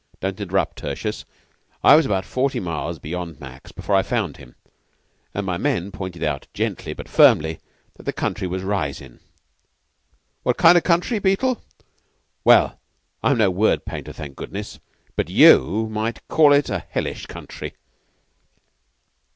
"Don't interrupt, Tertius. It was about forty miles beyond Mac's before I found him; and my men pointed out gently, but firmly, that the country was risin'. What kind o' country, Beetle? Well, I'm no word painter, thank goodness, but you might call it a hellish country!